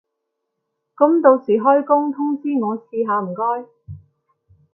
噉到時開工通知我試下唔該